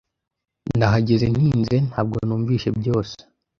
Nahageze ntinze, ntabwo numvise byose.